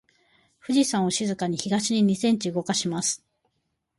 富士山を静かに東に二センチ動かします。